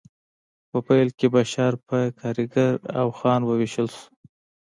په پیل کې بشر په کارګر او خان وویشل شو